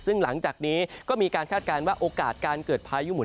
ซึ่งหลังจากนี้ก็มีการคาดการณ์ว่าโอกาสการเกิดพายุหุ่น